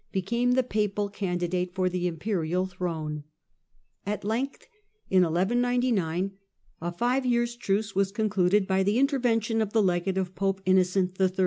became the papal candidate for the imperial throne (see p. 181). At length, in 1199, a five years' truce was concluded by the intervention of the legate of Pope Innocent HI.